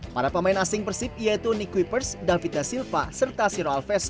para pemain asing persib yaitu nick wipers davita silva serta siro alves